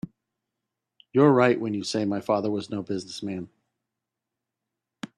You're right when you say my father was no business man.